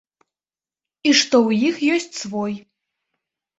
І што ў іх ёсць свой.